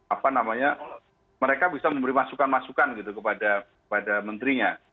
apa namanya mereka bisa memberi masukan masukan gitu kepada menterinya